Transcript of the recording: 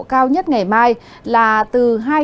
cao nhất ngày mai là từ